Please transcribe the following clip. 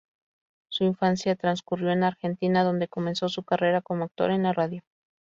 Su infancia transcurrió en Argentina, donde comenzó su carrera como actor en la radio.